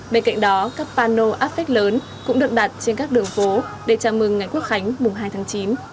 bên cạnh đó các pano áp phép lớn cũng được đặt trên các đường phố để chào mừng ngày quốc khánh mùng hai tháng chín